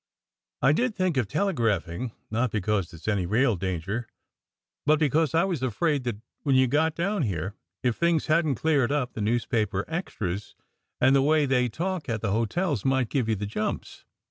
"I did think of telegraphing, not because there s any real danger, but because I was afraid that when you got down here, if things hadn t cleared up, the newspaper extras and the way they talk at SECRET HISTORY 93 the hotels might give you the jumps.